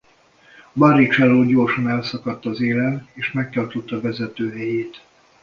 Barrichello gyorsan elszakadt az élen és megtartotta vezető helyét.